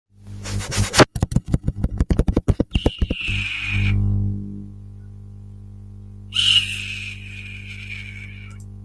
The problem is that there is no problem when there should have been one.